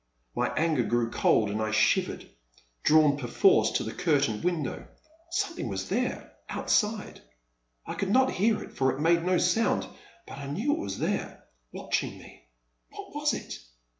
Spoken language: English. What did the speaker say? My anger grew cold — and I shivered, drawn perforce to the curtained window. Something was there — out side. I could not hear it, for it made no sound, but I knew it was there, watching me. What was it